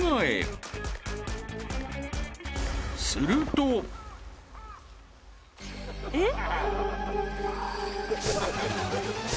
［すると］えっ？